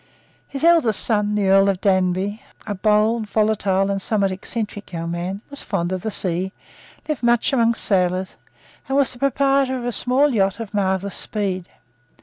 His eldest son, the Earl of Danby, a bold, volatile, and somewhat eccentric young man, was fond of the sea, lived much among sailors, and was the proprietor of a small yacht of marvellous speed.